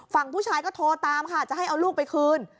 ฝั่งผู้ชายก็โทรตามค่ะจะให้เอาลูกไปคืน